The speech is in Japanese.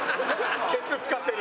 「ケツ拭かせる」。